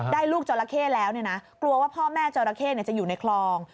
ลูกจราเข้แล้วเนี่ยนะกลัวว่าพ่อแม่จราเข้จะอยู่ในคลอง